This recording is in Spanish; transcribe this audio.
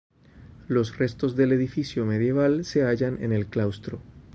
Los restos del edificio medieval se hallan en el claustro.